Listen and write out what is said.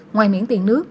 ngoài miễn tiền nước